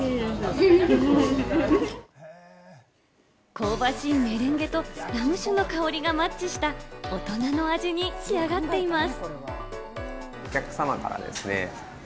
香ばしいメレンゲとラム酒の香りがマッチした大人の味に仕上がっています。